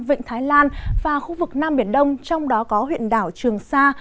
vịnh thái lan và khu vực nam biển đông trong đó có huyện đảo trường sa